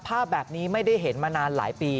ภาพแบบนี้ไม่ได้เห็นมานานหลายปี